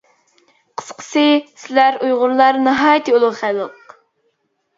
قىسقىسى، سىلەر ئۇيغۇرلار ناھايىتى ئۇلۇغ خەلق.